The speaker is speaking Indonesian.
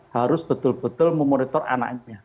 harus betul betul memonitor anaknya